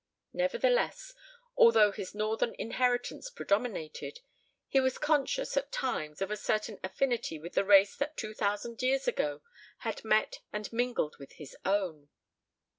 Nevertheless, although his northern inheritance predominated, he was conscious at times of a certain affinity with the race that two thousand years ago had met and mingled with his own.